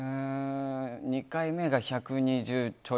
２回目が１２０ちょ